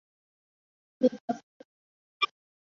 毛枝藓为隐蒴藓科毛枝藓属下的一个种。